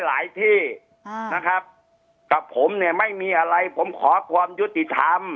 หลายที่นะครับกับผมเนี่ยไม่มีอะไรผมขอความยุติธรรม